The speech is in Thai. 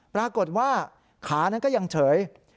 ปรากฏว่าขานั้นก็ยังเฉย